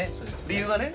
理由はね。